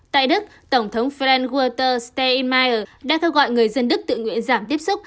tại đức tổng thống frank walter steinmeier đã gọi người dân đức tự nguyện giảm tiếp xúc